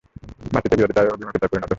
ভ্রাতৃত্ব বিরোধিতায় ও বিমুখতায় পরিণত হল।